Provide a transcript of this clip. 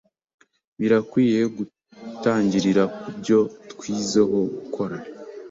birakwiye gutangirira kubyo tuzwiho gukora